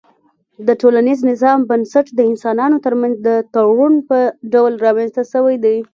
د ټولنيز نظام بنسټ د انسانانو ترمنځ د تړون په ډول رامنځته سوی دی